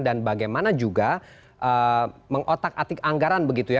dan bagaimana juga mengotak atik anggaran begitu ya